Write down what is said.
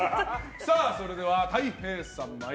それでは、たい平さん。